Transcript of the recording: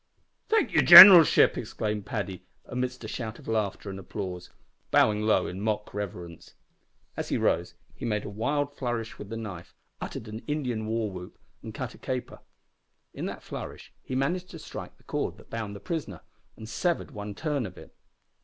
"Thank your gineralship," exclaimed Paddy, amid a shout of laughter and applause, bowing low in mock reverence. As he rose he made a wild flourish with the knife, uttered an Indian war whoop, and cut a caper. In that flourish he managed to strike the cord that bound the prisoner, and severed one turn of it.